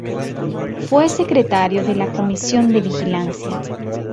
Fue secretario de la Comisión de Vigilancia.